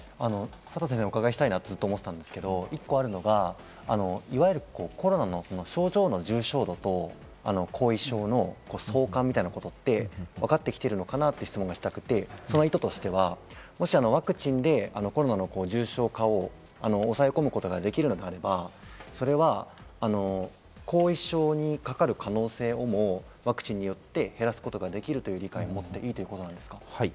佐藤先生に伺いたいと思っていたんですが、いわゆるコロナの症状の重症度と後遺症の相関みたいなことってわかってきているのかなという質問がしたくて、その意図としてはもしワクチンでコロナの重症化を抑え込むことができるのであれば、それは後遺症にかかる可能性をもワクチンによって減らすことができると思っていいということですか？